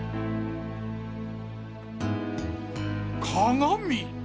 鏡？